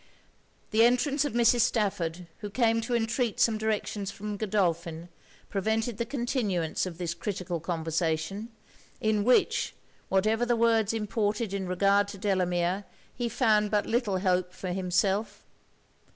The entrance of Mrs. Stafford, who came to entreat some directions from Godolphin, prevented the continuance of this critical conversation; in which, whatever the words imported in regard to Delamere, he found but little hope for himself.